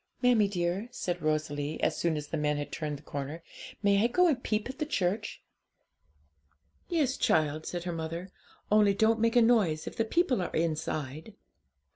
'Mammie dear,' said Rosalie, as soon as the men had turned the corner, 'may I go and peep at the church?' 'Yes, child,' said her mother; 'only don't make a noise if the people are inside.'